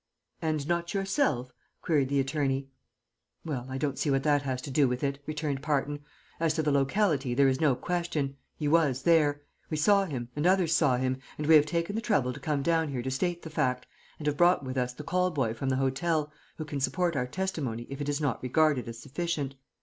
"And not yourself?" queried the attorney. "Well, I don't see what that has to do with it," returned Parton. "As to the locality there is no question. He was there. We saw him, and others saw him, and we have taken the trouble to come down here to state the fact, and have brought with us the call boy from the hotel, who can support our testimony if it is not regarded as sufficient.